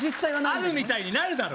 あるみたいになるだろ！